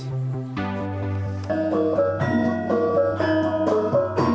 ketika berada di jawa tengah saya meneruskan perjalanan ke jawa tengah